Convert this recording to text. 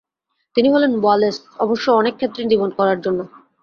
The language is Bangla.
তিনি হলেন ওয়ালেস, অবশ্য অনেক ক্ষেত্রেই দ্বিমত করার জন্য।